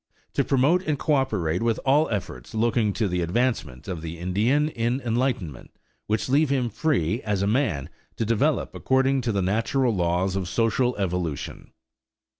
_ To promote and coöperate with all efforts looking to the advancement of the Indian in enlightenment which leave him free, as a man, to develop according to the natural laws of social evolution.